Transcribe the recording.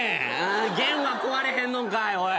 弦は食われへんのんかいおい。